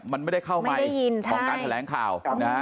มันไม่ได้เข้าไมค์ของการแถลงข่าวนะฮะ